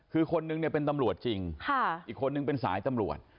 คือคนนึงเนี่ยเป็นตำรวจจริงอีกคนนึงเป็นสายตำรวจ